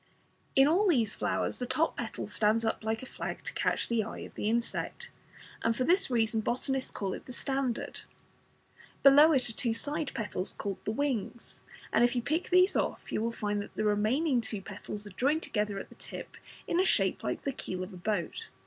In all these flowers the top petal stands up like a flag to catch the eye of the insect, and for this reason botanists call it the "standard". Below it are two side petals called the "wings," and if you pick these off you will find that the remaining two petals are joined together at the tip in a shape like the keel of a boat.